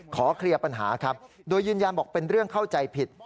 ขอเคลียร์ปัญหาครับโดยยืนยันบอกเป็นเรื่องเข้าใจผิด